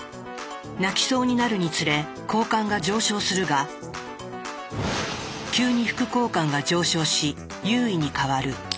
泣きそうになるにつれ交感が上昇するが急に副交感が上昇し優位に変わる。